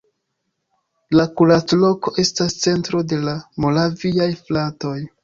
La Kuracloko estas centro de la Moraviaj fratoj.